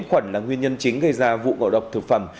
khuẩn là nguyên nhân chính gây ra vụ ngộ độc thực phẩm